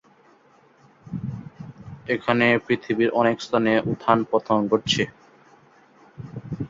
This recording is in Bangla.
এখনো পৃথিবীর অনেক স্থানে উত্থান-পতন ঘটছে।